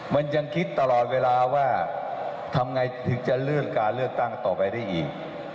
มันยังคิดตลอดเวลาว่าทำไงถึงจะเลื่อนการเลือกตั้งต่อไปได้อีก